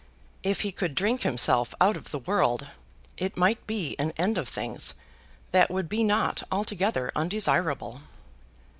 If he could drink himself out of the world, it might be an end of things that would be not altogether undesirable.